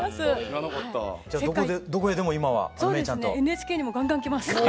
ＮＨＫにもガンガン来ます。